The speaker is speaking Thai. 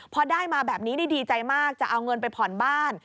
พอได้มาแบบนี้นี่ดีใจมากจะเอาเงินไปผ่อนบ้าน